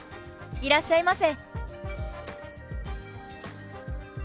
いらっしゃいませ」。